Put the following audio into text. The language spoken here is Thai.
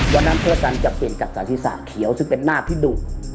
วันนั้นพระราชกันจะเป็นกัตตาธิษฐะเขียวซึ่งเป็นหน้าพิดุ